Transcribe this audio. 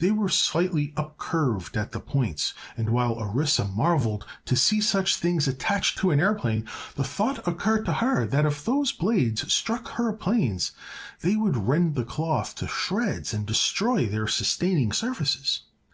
They were slightly upcurved at the points, and while Orissa marveled to see such things attached to an aëroplane the thought occurred to her that if those blades struck her planes they would rend the cloth to shreds and destroy their sustaining surfaces.